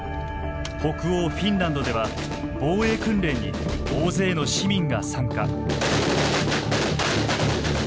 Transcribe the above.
北欧フィンランドでは防衛訓練に大勢の市民が参加。